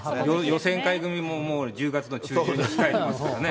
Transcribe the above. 予選会組ももう１０月の中旬に控えてますからね。